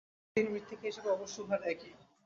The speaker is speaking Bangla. বিশেষ কোন আকৃতিহীন মৃত্তিকা হিসাবে অবশ্য উহারা একই।